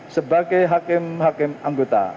sebagai hakim hakim anggota